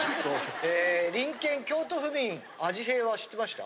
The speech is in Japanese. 隣県京都府民あじへいは知ってました？